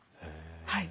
はい。